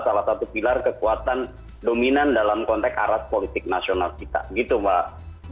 salah satu pilar kekuatan dominan dalam konteks aras politik nasional kita gitu mbak